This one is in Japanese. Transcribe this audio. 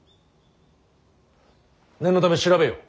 念のため調べよ。